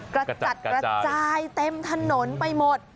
กระจัดกระจายเต็มถนนไปหมด